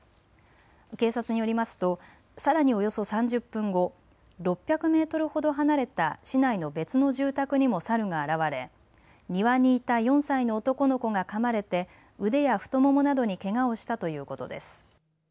警察によりますとさらにおよそ３０分後、６００メートルほど離れた市内の別の住宅にもサルが現れ庭にいた４歳の男の子がかまれて腕や太ももなどにけがをしたということです。